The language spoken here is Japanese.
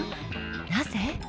なぜ？